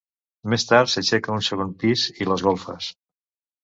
Més tard s'aixeca un segon pis i les golfes.